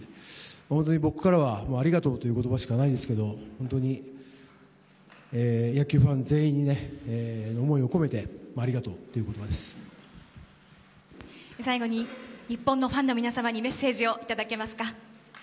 本当に僕からはありがとうという言葉しかないですけど本当に野球ファン全員の思いを込めて最後に、日本のファンの皆様にメッセージをいただけますか。